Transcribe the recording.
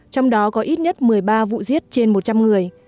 trong đó có ít nhất một mươi ba vụ giết trên một trăm linh người